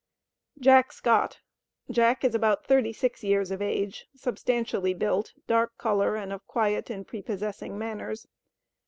"Jack Scott." Jack is about thirty six years of age, substantially built, dark color, and of quiet and prepossessing manners.